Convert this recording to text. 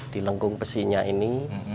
di lengkung besinya ini